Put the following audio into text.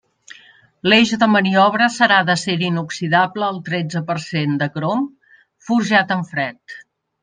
L'eix de maniobra serà d'acer inoxidable al tretze per cent de crom, forjat en fred.